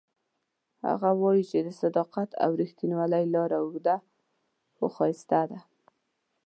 هغه وایي چې د صداقت او ریښتینولۍ لاره اوږده خو ښایسته ده